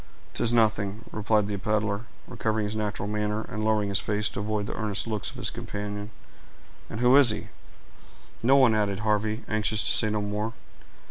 "'Tis nothing," replied the peddler, recovering his natural manner, and lowering his face to avoid the earnest looks of his companion. "And who is he?" "No one," added Harvey, anxious to say no more.